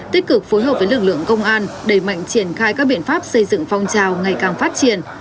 tích cực phối hợp với lực lượng công an đẩy mạnh triển khai các biện pháp xây dựng phong trào ngày càng phát triển